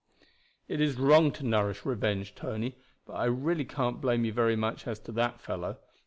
'" "It is wrong to nourish revenge, Tony; but I really can't blame you very much as to that fellow.